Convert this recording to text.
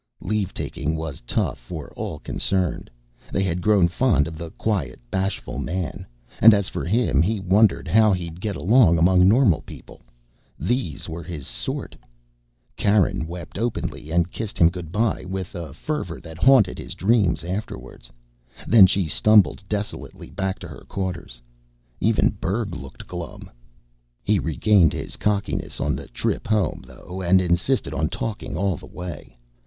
Leavetaking was tough for all concerned. They had grown fond of the quiet, bashful man and as for him, he wondered how he'd get along among normal people. These were his sort. Karen wept openly and kissed him good bye with a fervor that haunted his dreams afterward. Then she stumbled desolately back to her quarters. Even Berg looked glum. He regained his cockiness on the trip home, though, and insisted on talking all the way.